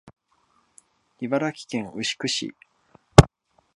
茨城県牛久市